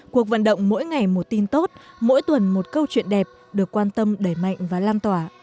cuộc vận động mỗi ngày một tin tốt mỗi tuần một câu chuyện đẹp được quan tâm đẩy mạnh và lan tỏa